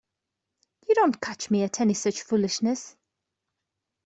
You don't catch me at any such foolishness.